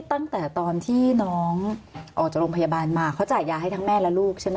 ออกจากโรงพยาบาลมาเขาจ่ายาให้ทั้งแม่และลูกใช่ไหม